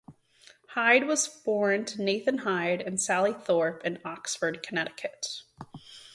Hyde was born to Nathan Hyde and Sally Thorpe in Oxford, Connecticut.